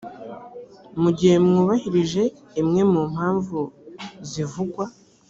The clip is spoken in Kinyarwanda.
mu gihe rwubahirije imwe mu mpamvu zivugwa